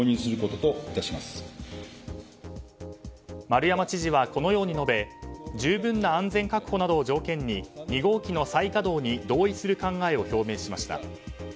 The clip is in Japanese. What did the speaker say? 丸山知事はこのように述べ十分な安全確保などを条件に２号機の再稼働に同意する考えを表明しました。